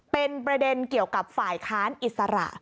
เป็นประเด็นเกี่ยวกับฝ่ายค้านอิสระ